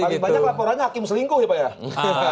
paling banyak laporannya hakim selingkuh ya pak ya